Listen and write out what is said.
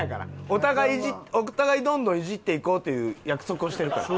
お互いいじってお互いどんどんいじっていこうという約束をしてるから。